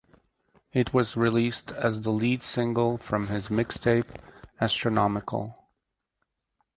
It was released as the lead single from his mixtape "Astronomical".